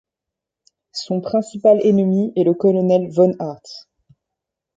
Son principal ennemi est le colonel Von Hartz.